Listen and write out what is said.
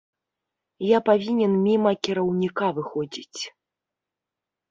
Я павінен міма кіраўніка выходзіць.